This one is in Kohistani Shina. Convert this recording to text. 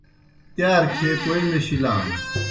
تِیار کھیے کوئی میشِلان